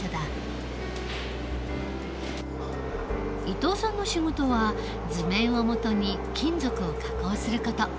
伊藤さんの仕事は図面を基に金属を加工する事。